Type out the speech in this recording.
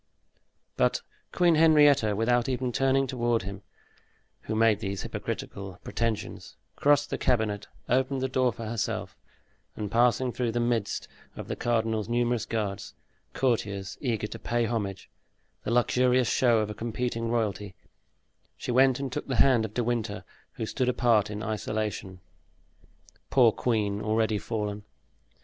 But Queen Henrietta, without even turning toward him who made these hypocritical pretensions, crossed the cabinet, opened the door for herself and passing through the midst of the cardinal's numerous guards, courtiers eager to pay homage, the luxurious show of a competing royalty, she went and took the hand of De Winter, who stood apart in isolation. Poor queen, already fallen!